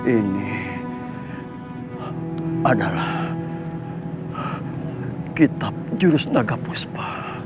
ini adalah kitab jurus naga puspa